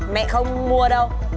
mẹ không mua đâu